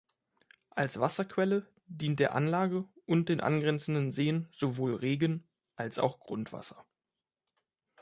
Als Wasserquelle dient der Anlage und den angrenzenden Seen sowohl Regen- als auch Grundwasser.